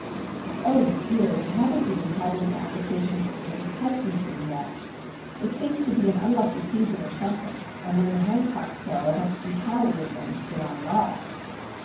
But, oh dear! we haven't even had any applications for Mrs. Hudson's room yet. It seems to be an unlucky season, or something, and when the Hancocks go, I don't see how we are going to get on at all!